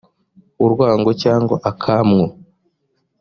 urwango cyangwa akamwu